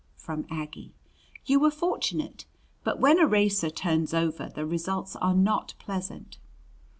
from Aggie. " you were fortunate. But when a racer turns over the results are not pleasant."